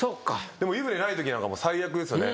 でも湯船ないときなんかもう最悪ですよね。